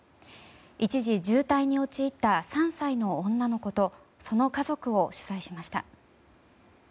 一時、重体に陥った３歳の女の子とその家族を取材しました。